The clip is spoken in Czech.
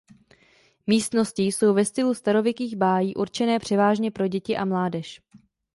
Místnosti jsou ve stylu starověkých bájí určené převážně pro děti a mládež.